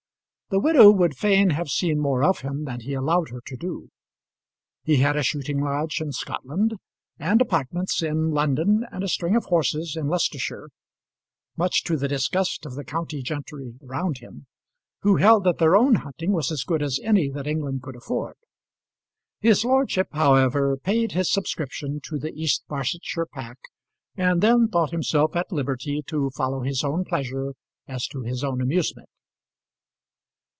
The widow would fain have seen more of him than he allowed her to do. He had a shooting lodge in Scotland, and apartments in London, and a string of horses in Leicestershire much to the disgust of the county gentry around him, who held that their own hunting was as good as any that England could afford. His lordship, however, paid his subscription to the East Barsetshire pack, and then thought himself at liberty to follow his own pleasure as to his own amusement.